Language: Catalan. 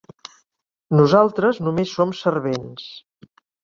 Nosaltres només som servents.